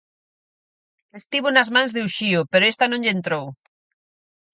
Estivo nas mans de Uxío pero esta non lle entrou.